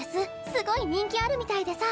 すごい人気あるみたいでさ